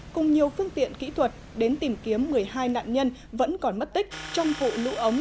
cùng nhiều phương tiện kỹ thuật đến tìm kiếm một mươi hai nạn nhân vẫn còn mất tích trong vụ lũ ống